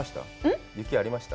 雪ありました？